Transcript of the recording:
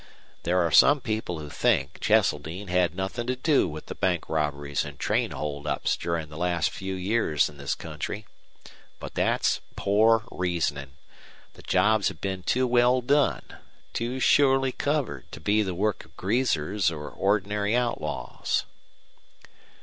There are some people who think Cheseldine had nothing to do with the bank robberies and train holdups during the last few years in this country. But that's poor reasoning. The jobs have been too well done, too surely covered, to be the work of greasers or ordinary outlaws."